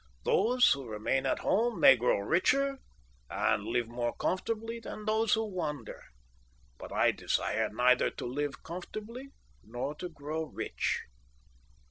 Those who remain at home may grow richer and live more comfortably than those who wander; but I desire neither to live comfortably nor to grow rich."